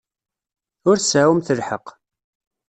Ur tseɛɛumt lḥeqq.